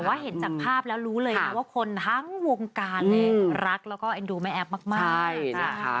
แต่ว่าเห็นจากภาพแล้วรู้เลยว่าคนทั้งวงการเนี่ยรักแล้วก็เอ็นดูแม้แอ๊บมากนะคะ